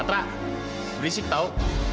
nantra berisik tau